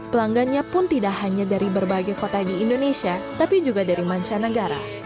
pelanggannya pun tidak hanya dari berbagai kota di indonesia tapi juga dari mancanegara